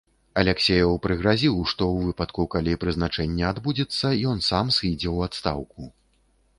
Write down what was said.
Аляксееў прыгразіў, што ў выпадку, калі прызначэнне адбудзецца, ён сам сыдзе ў адстаўку.